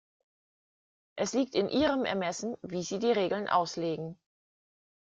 Es liegt in Ihrem Ermessen, wie Sie die Regeln auslegen.